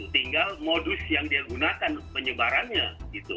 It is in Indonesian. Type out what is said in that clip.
tinggal modus yang digunakan penyebarannya gitu